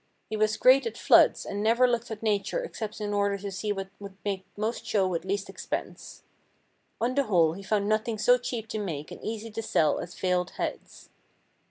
He was great at floods and never looked at nature except in order to see what would make most show with least expense. On the whole he found nothing so cheap to make and easy to sell as veiled heads.